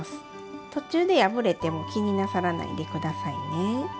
途中で破れても気になさらないで下さいね。